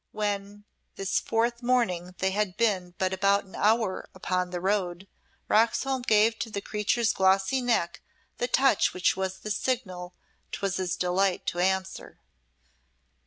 When this fourth morning they had been but about an hour upon the road, Roxholm gave to the creature's glossy neck the touch which was the signal 'twas his delight to answer.